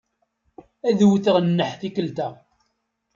Ad wteɣ nneḥ tikkelt-a.